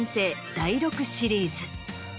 第６シリーズ。